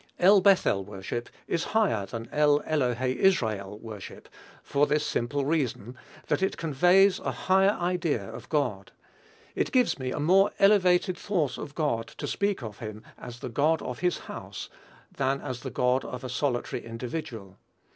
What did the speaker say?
El Bethel worship is higher than El elohe Israel worship, for this simple reason, that it conveys a higher idea of God. It gives me a more elevated thought of God to speak of him as the God of his house than as the God of a solitary individual.